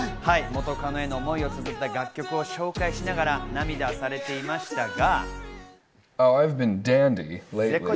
元カノへの思いを綴った楽曲を思い出しながら涙されていましたが。